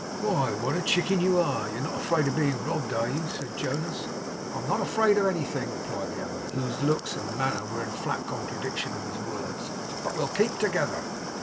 'Why, what a chicken you are! You are not afraid of being robbed; are you?' said Jonas. 'I am not afraid of anything,' replied the other, whose looks and manner were in flat contradiction to his words. 'But we'll keep together.